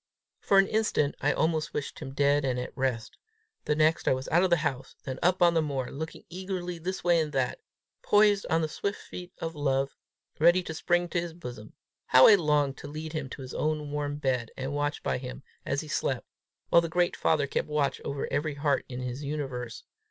For an instant I almost wished him dead and at rest; the next I was out of the house then up on the moor, looking eagerly this way and that, poised on the swift feet of love, ready to spring to his bosom. How I longed to lead him to his own warm bed, and watch by him as he slept, while the great father kept watch over every heart in his universe.